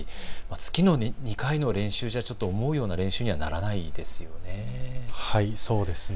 月に２回の練習では思うような練習にはならないですよね。